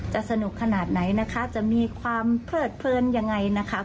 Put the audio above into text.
สนุกขนาดไหนนะคะจะมีความเพลิดเพลินยังไงนะคะ